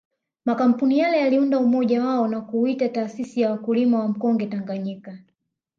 Makampuni yale yaliunda umoja wao na kuuita taasisi ya wakulima wa mkonge Tanganyika